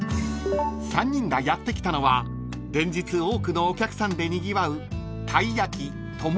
［３人がやって来たのは連日多くのお客さんでにぎわう］